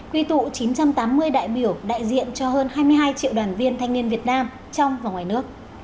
quy tụ chín trăm tám mươi đại biểu đại diện cho hơn hai mươi hai triệu đoàn viên thanh niên việt nam trong và ngoài nước